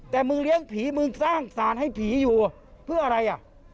แต่มึงเลี้ยงผีมึงสร้างสารให้ผีอยู่เพื่ออะไรอ่ะ